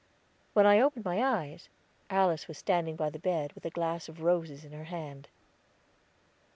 When I opened my eyes, Alice was standing by the bed, with a glass of roses in her hand.